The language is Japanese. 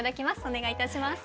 お願いいたします。